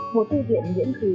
hồ tư viện nguyễn khí